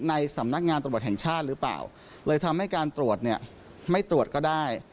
ในสำนักงานตำรวจแห่งชาติหรือเปล่าเลยทำให้การตรวจเนี่ยไม่ตรวจก็ได้